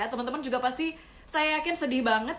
teman teman juga pasti saya yakin sedih banget